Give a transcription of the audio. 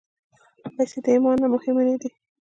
پېسې د ایمان نه مهمې نه دي.